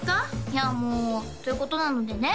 いやもうということなのでね